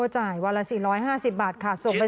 จำก็ได้ครับแต่ว่าถ้าความหลักจะสีไป